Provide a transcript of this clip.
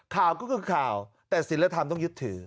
ข่าวก็คือข่าวแต่ศิลธรรมต้องยึดถือ